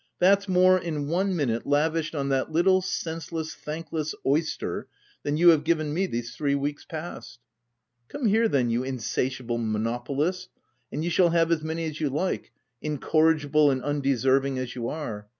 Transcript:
That's more, in one minute, lavished on that little senseless, thankless, oyster, than you have given me these three weeks past." "Come here then,, you insatiable mono polist, and you shall have as many as you like, incorrigible and undeserving as you are.